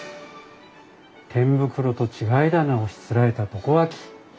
天袋と違い棚をしつらえた床脇。